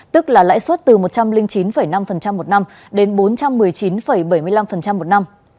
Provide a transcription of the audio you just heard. tức là lãi suất từ một trăm linh chín năm một năm đến bốn trăm một mươi chín bảy mươi năm một năm